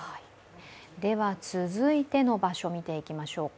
では続いての場所見ていきましょうか。